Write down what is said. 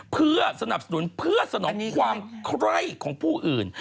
เพื่อสนับสนุนเพื่อสนองความไคร้ของผู้อื่น